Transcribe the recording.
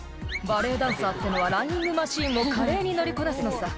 バレエダンサーってのはランニングマシンも華麗に乗りこなすのさ」